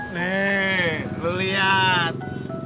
nih lu lihat